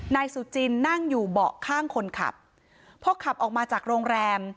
นายสุจินนั่งอยู่เบาะข้างคนขับพอขับออกมาจากโรงแรม